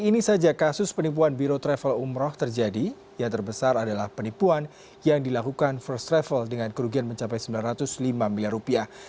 ini saja kasus penipuan biro travel umroh terjadi yang terbesar adalah penipuan yang dilakukan first travel dengan kerugian mencapai sembilan ratus lima miliar rupiah